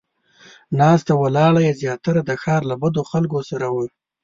ناسته ولاړه یې زیاتره د ښار له بدو خلکو سره وه.